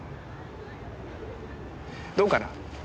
どうかな？